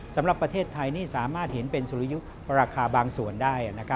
สำหรับประเทศไทยนี่สามารถเห็นเป็นสุริยุปราคาบางส่วนได้